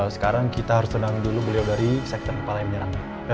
sekarang kita harus tenang dulu beliau dari sektor kepala yang menyerang